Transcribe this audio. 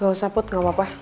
gak usah pot gak apa apa